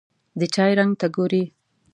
د چای رنګ ته ګوري.